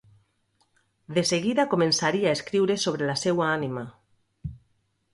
De seguida començaria a escriure sobre la seua ànima.